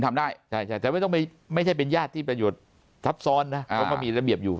ทำได้ไม่ไม่เป็นญาติที่ประโยชน์ทับซ้อนนะถ้ามีระเบียบอยู่